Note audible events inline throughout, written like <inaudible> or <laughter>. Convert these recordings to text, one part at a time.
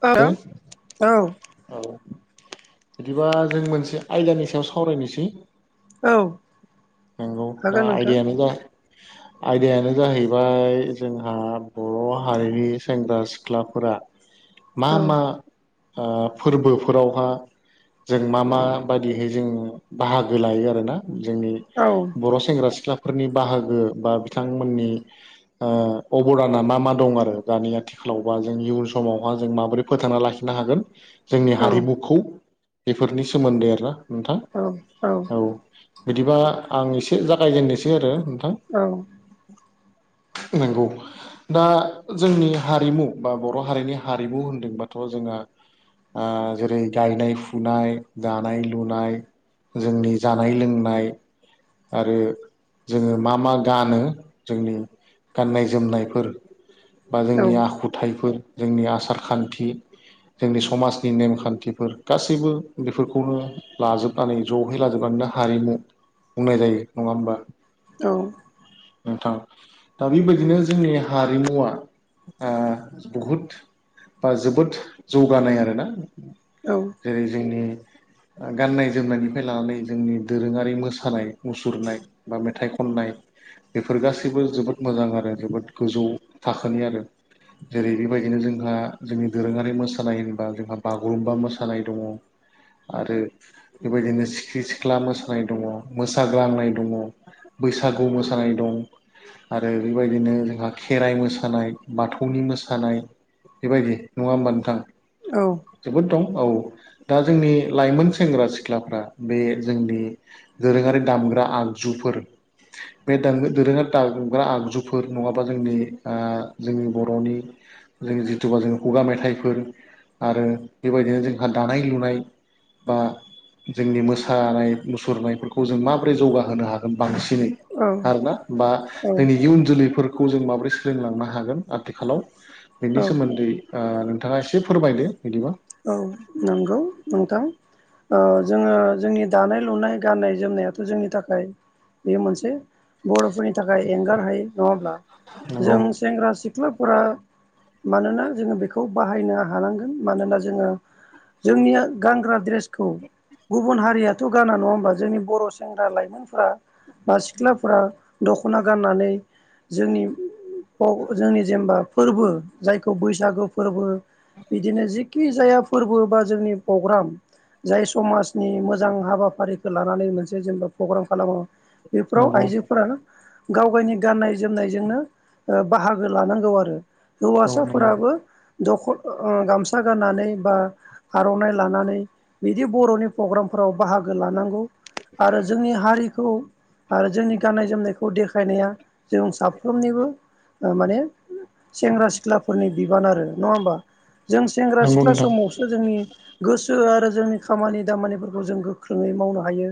औ हो औ। बिदिबा जों मोनसे आयदानि सायाव सावरायनोसै। औ नंगौ हागोन दा नोंथां आयडायानो जा आयदायानो जाहैबाय जोंहा बर' हारिनि सेंग्रा सिख्लाफोरा <inaudible> मा मा ओ फोरबोफोरावहा जों मा मा बायदिहै जों बाहागो लायो आरोना जोंनि औ बर' सेंग्रा सिख्लाफोरनि बाहागो बा बिथांमोननि ओ अबदाना मा मा दं आरो दानि आथिखालावबा जों इयुन समावहा जों माबोरै फोथांना लाखिनो हागोन जोंनि औ हारिमुखौ बेफोरनि सोमोन्दै आरोना नोंथां औ औ। औ बिदिबा आं एसे जागायजेननोसै आरो नोंथां। औ नोंगौ। दा जोंनि हारिमु बा बर' हारिनि हारिमु होनदोंबाथ' जोङो ओ जेरै गायनाय-फुनाय दानाय-लुनाय जोंनि जानाय-लोंनाय आरो जोङो मा मा गानो जोंनि गाननाय-जोमनायफोर बा जोंनि आखुथाइफोर जोंनि आसार खान्थि जोंनि समाजनि नेमखान्थिफोर गासैबो बेफोरखौनो लाजोब <unintelligible> जहै लाजोबनानैनो हारिमु बुंनाय जायो नङा होमबा औ नोंथां दा बेबायदिनो जोंनि हारिमुआ ओ बहुद बा जोबोद जौगानाय आरोना। औ जेरै जोंनि गाननाय जोमनायनिफ्राय लानानै जोंनि दोरोङारि मोसा सानाय मुसुरनाय बा मेथाइ खननाय बेफोर गासैबो जोबोद मोजां आरो जोबोद गोजौ थाखोनि आरो। जेरै बेबायदिनो जोंहा जोंनि दोरोङारि मोसानाय होनबा जोंहा बागुरुम्बा मोसानाय दङ। आरो बेबायदिनो सिख्रि सिख्ला मोसानाय दङ। मोसाग्लांनाय दङ बैसागु मोसानाय दं। आरो बेबायदिनो जोंहा खेराइ मोसानाय बाथौनि मोसानाय बेबायदि नङा होमबा नोंथां औ जोबोद दं औ दा जोंनि लाइमोन सेंग्रा सिख्लाफ्रा बे जोंनि दोरोंङारि दामग्रा आगजुफोर बे दो दोरोङारि दामग्रा आगजुफोर नङाबा जोंनि ओ जोंनि बर'नि जों जिथुबा जों खुगा मेथाइफोर आरो बेबायदिनो जोंहा दानाय-लुनाय बा जोंनि मोसानाय मुसुरनायफोर खौ जों माबोरै जौगाहोनो हागोन बांसिनै आरोना बा औ जोंनि इउन जोलैफोर खौ जों माबोरै सोलोंलांनो हागोन आथिखालाव बेनि औ सोमोन्दै ओ नोंथाङा एसे फोरमायदो बिदिबा औ नोंगौ नोंथां ओ जोङो जोंनि दानाय लुनाय गाननाय जोमनायाथ' जोंनि थाखाय बेयो मोनसे बर'फोरनि थाखाय एंगार हायै नङाब्ला नंगौ जों सेंग्रा सि ख्लाफोरा मानोना जोङो बेखौ बाहायनो हानांगोन मानोना जोङो जोंनिया गानग्रा ड्रेसखौ गुबुन हारियाथ' गाना नङा होमबा जोंनि बर' सेंग्रा लाइमोनफोरा सिख्लाफोरा दख'ना गाननानै जोंनि बाव जोंनि जेनेबा फोरबो जायखौ बैसागु फोरबो बिदिनो जिखि जाया फोरबो बा जोंनि फग्राम जाय समाजनि मोजां हाबाफारिखो लानानै मोनसे जेनेबा फग्राम खालामो बेफोराव नंगौ आइजोफोरा गावगायनि गाननाय जोमनायजोंनो बाहागो लानांगौ आरो। औ नंगौ हौवासाफोराबो दख ओ गामसा गाननानै बा आर'नाइ लानानै बिदि बर'नि फग्रामफोराव बाहागो लानांगौ। आरो जोंनि हारिखौ आरो जोंनि गाननाय जोमनायखौ देखायनाया जों साफ्रोमनिबो माने सेंग्रा सिख्लाफोरनि बिबान आरो नङा होमबा। जों सेंग्रा नंगौ सिख्ला नोंथां समावसो जोंनि गोसो आरो जोंनि खामानि दामानिफोरखौ जों गोख्रोङै मावनो हायो।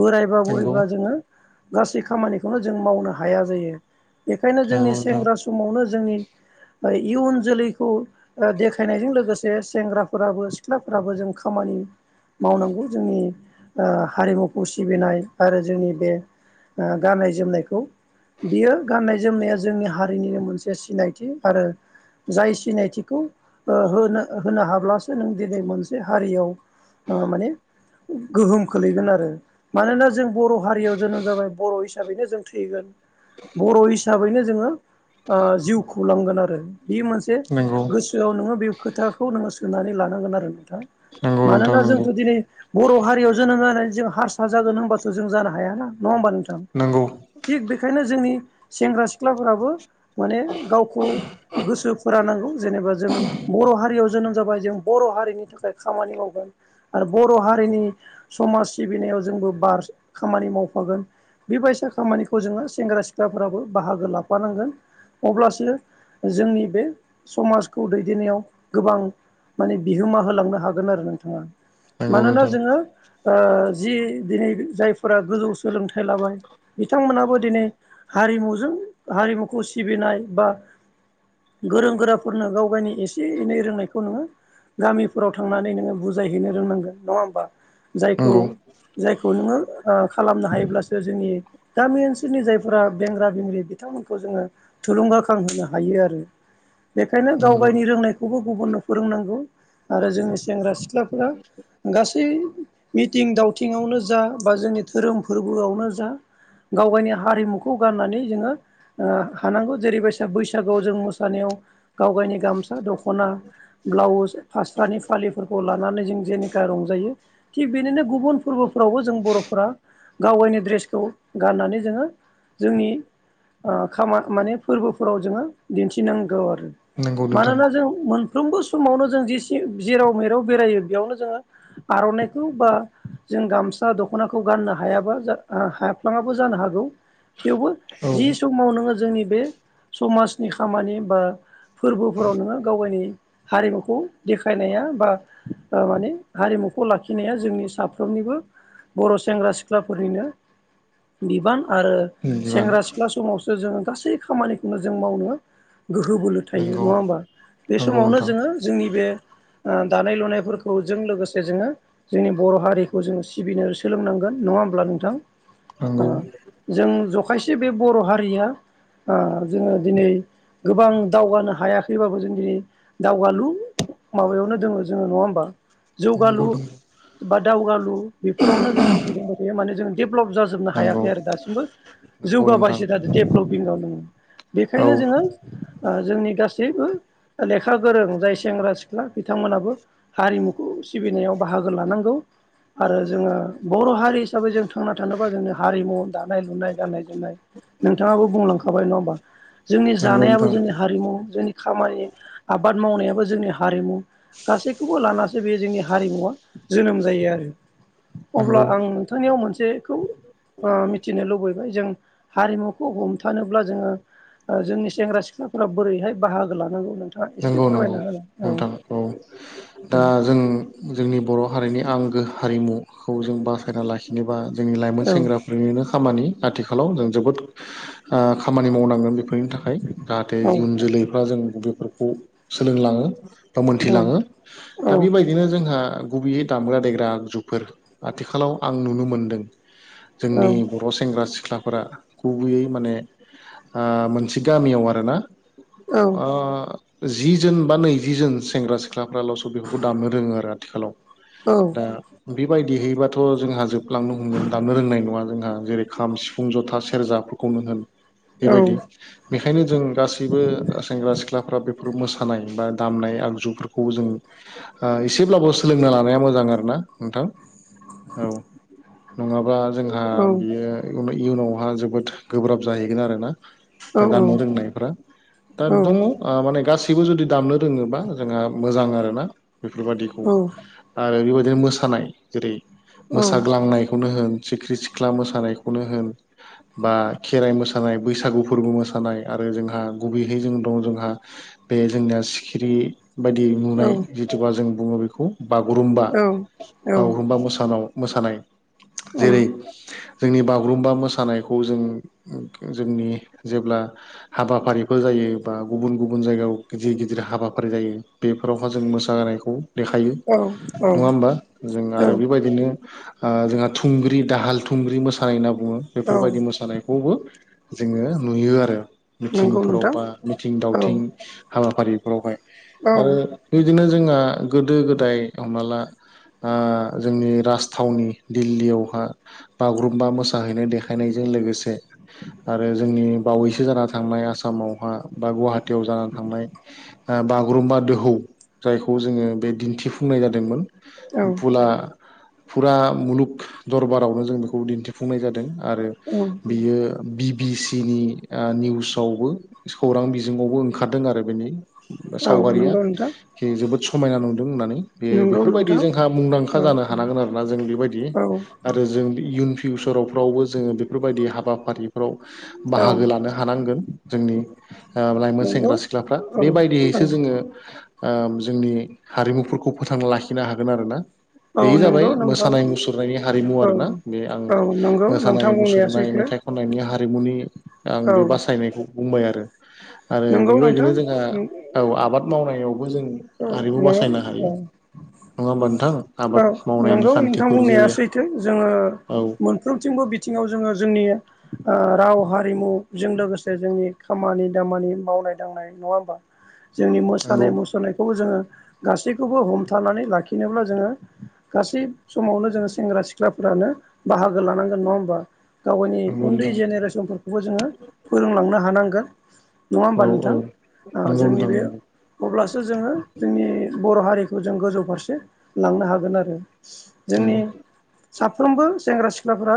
बोरायबा नंगौ बुरैबाजोङो गासै खामानिखौनो जोंङो मावनो हाया जायो। बेखायनो नंगौ जोंनि नोंथां सेंग्रा समावनो जोंनि इयुन जोलैखौ देखा खायनायजों लोगोसे सेंग्राफोराबो सिख्लाफोराबो जों खामानि मावनांगौ जोंनि ओ हारिमुखौ सिबिनाय आरो जोंनि बे गाननाय जोमनायखौ बियो गाननाय जोमनाया जोंनि हारिनिनो मोनसे सिनायथि आरो जाय सिनायथिखौ ओ होनो होनो हाब्लासो नों दिनै मोनसे हारियाव ओ माने गोहोम खोलैगोन आरो। मानोना जों बर' हारियाव जोनोम जाबाय बर' हिसाबैनो जों थैगोन बर' हिसा हिसाबैनो जोङो जिउ खुंलांगोन आरो बे मोनसे नंगौ। आव नोङो बे खोथाखौ नोङो सोननानै लानांगोन आरो नोंथां नंगौ नंगौ नोंथां मानोना जोंथ' दिनै बर' हारियाव जोनोम जानानै जों हारसा जागोन होनबाथ' जों जानो हाया नङा होमबा नोंथां। नोंगौ। थिग बेखायनो जोंनि सेंग्रा सिख्लाफोराबो माने गावखौ गोसो फोरानांगौ जेनेबा जों बर' हारियाव जोनोम जाबाय जों बर' हारिनि थाखाय खामानि मावगोन आरो बर' हारिनि समाज सिबिनायाव जोंबो बार खामानि मावफागोन। बेबायसा खामानिफोरखौ जोङो सेंग्रा सिख्लाफोराबो बाहागो लाफानांगोन। अब्लासो जोंनि बे समाज - खौ दैदेननायाव गोबां माने बिहोमा होलांनो हागोन आरो नोंथाङा। नंगौ मानोना नोंथां जोङो जि दिनै जायफोरा गोजौ सोलोंथाइ लाबाय बिथांमोनाबो दिनै हारिमुजों हारिमुखौ सिबिनाय बा गोरों गोराफोरनो गाव एसे एनै रोंनायखौ नोङो गामिफोराव थांनानै नोङो बुजायहैनो रोंनांगोन नङा होमबा। जायखौ नंगौ जायखौ नोङो। खालामनो हायोब्लासो जोंनि गामि ओनसोलनि जायफोरा बेंग्रा बेंग्रि बिथांमोनखौ जोङो थुलुंगा खांहोनोनो हायो आरो बेखायनो गाव नंगौ गावनि रोंनायखौ गुबुन गुबुननो फोरोंनांगौ आरो जोंनि सेंग्रा सिख्लाफोरा गासै मिथिं दावथिंआवनो जा बा जोंनि धोरोम फोरबोआवनो जा गावगायनि हारिमुखौ गारनानै जोङो हानांगौ जेरैबायसा बैसागोआव जों मोसानायाव गावगायनि गामसा दख'ना ब्लाउस फास्रानि फालिफोरखौ लानानै जों जेनेका रंजायो। थिग बेदिनो गुबुन फोरबोफ्रावबो जों बर'फोरा गावगायनि ड्रेसखौ गाननानै जोङो जोंनि खामा माने फोरबोफोराव जोङो दिन्थिनांगौ आरो। नंगौ नोंथां मानोना जों मोनफ्रोमबो समावनो जों जे सिम जेराव मेराव बेरायो बेयावनो जोङो आरनायखौ बा जों गामसा दख'नाखौ गाननो हायाबा हाफ्लाङाबो जानो हागौ। थेवबो औ जि समाव नोङो जोंनि बे समाजनि खामानि बा फोरबोफोराव नोङो गावगायनि हारिमुखौ देखायनाया बा माने हारिमुखौ लाखिनाया जोंनि साफ्रोमनिबो बर' सेंग्रा सिख्लाफोरनिनो बिबान आरो बिबान सेंग्रा सिख्ला समावसो जोङो गासै खामानिखौनो जों मावनो गोहो बोलो थायो नंगौ नङा होमबा बे नंगौ समावनो नोंथां जोङो जोंनि बे दानाय लुनायफोरखौ जों लोगोसे जोङो जोंनि बर' हारिखौ जोङो सिबिनो सोलोंनांगोन नङा होमब्ला नोंथां? नंगौ जों जखायसे बे बर' हारिया जोङो दिनै गोबां दावगानो हायाखैबाबो जों दिनै दावगालु माबायावनो दोङो जोङो नङा होमबा। जौगालु नंगौ बा दावगालु बेफोरावनो जों दिनै दंबाय थायो माने जों डेभेलप जा जोबनो नंगौ हायाखै आरो दासिमबो नंगौ नोंथां जौगाबायसो थादों डेभलपिं आव दोङो बेखायनो औ जोङो जोंनि गासैबो लेखा गोरों जाय सेंग्रा सिख्ला बिथांमोनाबो हारिमुखौ सिबिनायाव बाहागो लानांगौ। आरो जोङो बर' हारि हिसाबै जों थांना थानोबा जोंनि हारिमु दानाय लुनाय गाननाय जोमनाय नोंथाङाबो बुंलांखाबाय नङा होमबा जोंनि नंगौ जानायाबो नोंथां जोंनि हारिमु जोंनि खामानि आबाद मावनायाबो जोंनि हारिमु गासैखौबो लानासो बे जोंनि हारिमुवा जोनोम जायो आरो। अब्ला नंगौ आं नोंथांनियाव मोनसे खौ मिथिनो लुबैबाय जों हारिमुखौ हमथानोब्ला जोङो जोंनि सेंग्रा सिख्लाफोरा बोरैहाय बाहागो लानांगौ नोंथाङा नंगौ एसे नंगौ फोरमायना होनाय औ नोंथां दा जों जोंनि बर' हारिनि आंगो हारिमुखौ जों बासायना लाखि जेनेबा जोंनि लाइमोन सेंग्रा जोंनिनो खामानि आथिखालाव जों जोबोद खामानि मावनांगोन बेफोरनि थाखाय। जाहाथे औ इयुन जोलैफ्रा जों बेफोरखौ सोलोंलाङो बा औ मोनथिलाङो। औ दा बेबायदिनो जोंहा गुबैयै दामग्रा देग्रा आगजुफोर आथिखालाव आं नुनो मोन्दों जोंनि बर' सेंग्रा सिख्लाफोरा गुबैयै माने मोनसे गामियाव आरोना औ जि जोनबा नैजि जोन सेंग्रा सिख्लाफ्राल' बेखौ दामनो रोङो आरो आथिखालाव औ उम दा बेबायदिहैबाथ' जोंहा जोबलांनो हमगोन दामनो रोंनाय नङा जोंहा जेरै खाम सिफुं जथा सेरजा खौनो होन बेबायदि। बेखायनो जों गासैबो सेंग्रा सिख्लाफ्रा बेफोर मोसानाय बा दामनाय आगजुफोरखौ जों एसेब्लाबो सोलोंनाया मोजां आरो ना नोंथां औ। नङाबा जोंहा बियो इयुनावहा जोबोद गोब्राब जाहैगोन आरोना। गोदानै रोंनायफोरा दा दङ माने गासैबो जुदि दामनो रोङोबा जोंहा मोजां आरोना बेफोरबादिखौ आरो बेबायदिनो मोसानाय जेरै मोसाग्लांनायखौनो होन सिख्रि सिख्ला मोसानायखौनो होन बा खेराइ मोसानाय मोसानाय बैसागु फोरबो मोसानाय आरो जोंहा गुबैयै जों दं जोंहा बे जोंनिया सिखिरि बायदि नुनाय जिथुबा जों बुङो बेखौ बागुरुमबा बागुरुमबा मोसानाव मोसानाय जेरै- जोंनि बागुरुम्बा मोसानायखौ जों जोंनि जेब्ला हाबाफारिफोर जायो बा गुबुन - गुबुन जायगायाव गिदिर - गिदिर हाबाफारि जायो बेफोरावहा जों मोसा नायखौ देखायो औ नङा होमबा जों औ आरो बेबायदिनो ओ जोंहा थुंग्रि दाहाल थुंग्रि मोसानाय होनना बुङो औ बेफोरबायदि मोसानायखौबो जोङो नुयो आरो नंगौ मिथिंफोराव नोंथां बा मिथिं औ दावथिं हाबाफारिफोरावहाय औ आरो बिदिनो जोंहा गोदो- गोदाय हमना ला ओ जोंनि राजथावनि दिल्लीयावहा बागुरुम्बा मोसाहैनो देखायनायजों लोगोसे आरो जोंनि बावैसो जाना थांनाय आसामावहा बा गुवाहाटियाव जानानै थांनाय बागुरुम्बा दोहौ जायखौ जोङो बे दिन्थिफुंनाय जादोंमोन औ फुला फुरा मुलुग दरबारावनो जों बेखौ दिन्थिफुंनाय जादों आरो औ बियो बि बि सि नि निउसावबो खौरां बिजोङावबो ओंखारदों आरो बेनि सावगारिया नंगौ नोंथां जोबोद समायना नुदों होननानै बे नंगौ बेफोरबायदि नोंथां जोंहा औ मुंदांखा जानो हानांगोन आरोना जों बेबायदि औ आरो जों इयुन फिउसार रावफ्रावबो जोङो बेफोरबायदि हाबाफारिफ्राव औ बाहागो लानो हानांगोन जोंनि लाइमोन नंगौ सेंग्रा सिख्लाफ्रा औ औ बेबायदियैसो जोङो ओ जोंनि हारिमुफोरखौ फोथांना लाखिनो हागोन आरोना औ बे जाबाय नंगौ नोंथां मोसानाय मुसुरनायनि हारिमु औ आरोना बे आं औ नंगौ नोंथां मोसानाय बुंनाया मुसुरनाय सैथो मेथाइ खनायनि हारिमुनि आं औ बे बासायनायखौ बुंबाय आरो आरो नंगौ बेबायदिनो नोंथां जोंहा औ आबाद मावनायावबो जों <unintelligible> औ हारिमु बासायनो हायो नङा होमबा नोंथां आबाद मावनायनि नंगौ नोंथां खान्थिफोर बुंनाया जेरै सैथो औ जोङो फ्रोमथिंबो बिथिङाव जोङो जोंनि ओ राव हारिमु-जों लोगोसे जोंनि खामानि दामानि मावनाय दांनाय नङा होमबा जोंनि मोसानाय नंगौ मुसुरनायखौबो जोङो गासैखौबो हमथानानै लाखिनोब्ला जोङो गासै समावनो जोङो सेंग्रा सिख्लाफोरानो बाहागो लानांगोन नङा होमबा गावगायनि नंगौ उन्दै नोंथां जेनेरेसनफोरखौबो जोङो फोरोंलांनो हानांगोन नङा औ होमबा औ नोंथां ओ नंगौ जोंनि नोंथां बे नंगौ अब्लासो जोङो जोंनि बर' हारिखौ जों गोजौ फारसे लांनो हागोन आरो जोंनि नंगौ साफ्रोमबो सेंग्रा सिख्लाफ्रा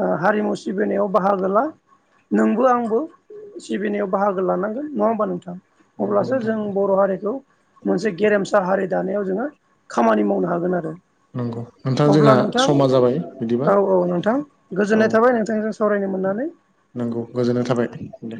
ओ हारिमु सिबिनायाव बाहागो ला नोंबो आंबो सिबिनायाव बाहागो लानांगोन नङा होमबा नोंथां? नंगौ अब्लासो नोंथां जों बर' हारि खौ मोनसे गेरेमसा हारि दानायाव जोङो खामानि मावनो हागोन आरो नंगौ नोंथां अब्ला जोंहा नोंथां समा जाबाय बिदिबा औ औ नोंथां औ गोजोननाय थाबाय नोंथांजों सावरायनो मोननानै नंगौ गोजोननाय थाबाय दे